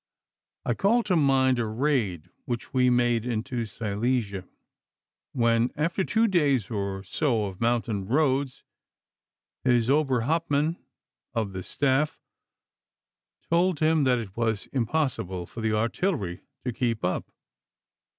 I call to mind a raid which we made into Silesia, when, after two days or so of mountain roads, his Oberhauptmann of the staff told him that it was impossible for the artillery to keep up.